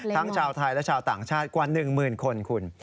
ชาวไทยและชาวต่างชาติกว่า๑หมื่นคนคุณ